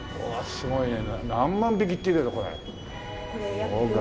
すごいね。